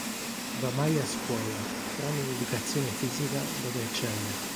Va male a scuola, tranne in educazione fisica dove eccelle.